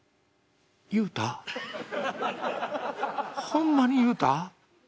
ホンマに言うた？」。